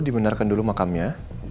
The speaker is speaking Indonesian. dibenarkan dulu makamnya